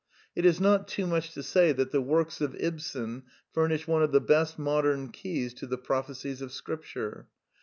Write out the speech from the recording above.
It is not too much to say that the works of Ibsen furnish one of the best modern keys to the prophecies of Scripture.